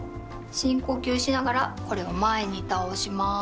深呼吸しながらこれを前に倒します。